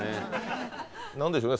何でしょうね